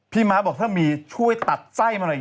ม้าบอกถ้ามีช่วยตัดไส้มาหน่อย